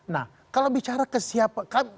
nah kalau bicara kesiapan